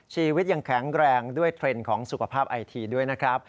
ชีวิตยังแข็งแรงด้วยเทรนด์ของสุขภาพไอทีด้วยนะครับ